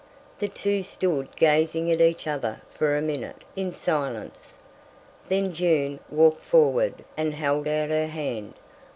The two stood gazing at each other for a minute in silence; then June walked forward and held out her hand.